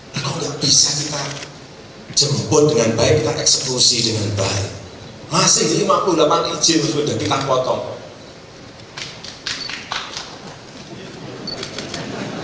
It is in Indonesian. kalau tidak bisa kita jemput dengan baik kita eksekusi dengan baik masih lima puluh delapan izin sudah kita potong